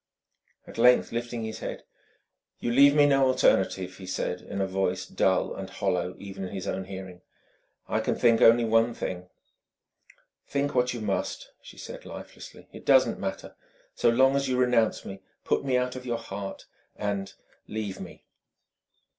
At length, lifting his head, "You leave me no alternative," he said in a voice dull and hollow even in his own hearing: "I can only think one thing..." "Think what you must," she said lifelessly: "it doesn't matter, so long as you renounce me, put me out of your heart and leave me."